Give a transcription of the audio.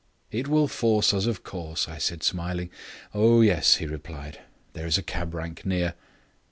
"It will force us of course," I said, smiling. "Oh, yes," he replied; "there is a cab rank near."